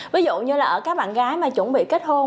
ví dụ như là ở các bạn gái mà chuẩn bị kết hôn